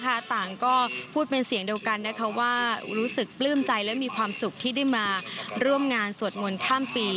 ต่างก็พูดเป็นเสียงเดียวกันนะคะว่ารู้สึกปลื้มใจและมีความสุขที่ได้มาร่วมงานสวดมนต์ข้ามปี